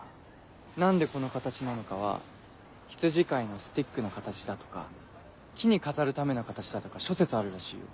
何でこの形なのかは羊飼いのスティックの形だとか木に飾るための形だとか諸説あるらしいよ。